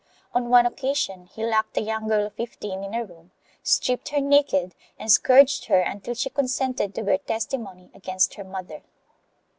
On one occasion he locked a young girl of fifteen in a room, stripped her naked and scourged her until she consented to bear testimony against her mother.